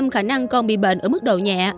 năm mươi khả năng con bị bệnh ở mức độ nhẹ